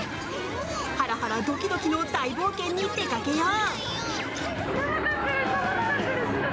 ハラハラドキドキの大冒険に出かけよう！